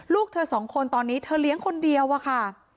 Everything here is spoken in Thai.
ลูกเธอสองคนตอนนี้เธอเลี้ยงคนเดียวอะค่ะ